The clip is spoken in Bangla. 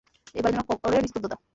এপারে যেন কবরের নিস্তব্ধতা।